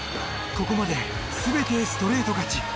ここまで全てストレート勝ち。